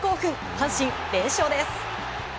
阪神、連勝です。